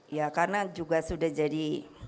ya karena juga sudah jadi